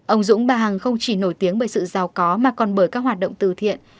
ông dũng bà hằng không chỉ nổi tiếng bởi sự giàu có mà còn bởi các hoạt động từ thiện